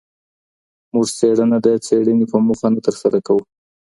موږ څېړنه د څېړني په موخه نه ترسره کوو.